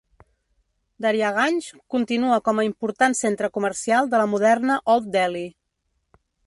Daryaganj continua com a important centre comercial de la moderna Old Delhi.